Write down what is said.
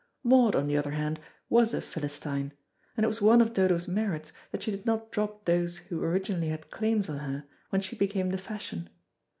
Maud, on the other hand, was a Philistine; and it was one of Dodo's merits that she did not drop those who originally had claims on her, when she became the fashion.